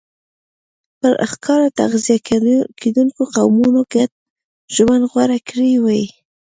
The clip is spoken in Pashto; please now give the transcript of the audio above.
پر ښکار تغذیه کېدونکو قومونو ګډ ژوند غوره کړی وای.